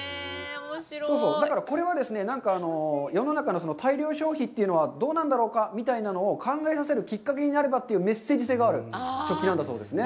だから、これはですね、なんか、世の中の大量消費というのはどうなんだろうかみたいなのを考えさせるきっかけになるメッセージ性のある食器なんですよ。